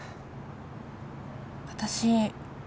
私